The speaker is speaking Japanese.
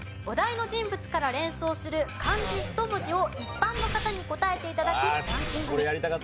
お題の人物から連想する漢字１文字を一般の方に答えて頂きランキングに。